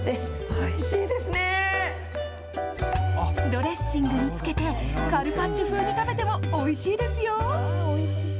ドレッシングにつけて、カルパッチョ風に食べてもおいしいですよ。